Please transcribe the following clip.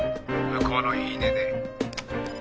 「向こうの言い値で」